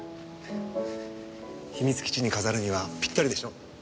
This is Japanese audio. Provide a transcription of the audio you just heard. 秘密基地に飾るにはぴったりでしょ？